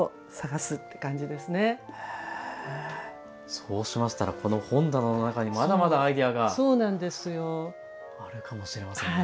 そうしましたらこの本棚の中にまだまだアイデアがあるかもしれませんね。